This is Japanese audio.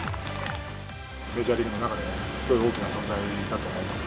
メジャーリーグの中ですごい大きな存在だと思います。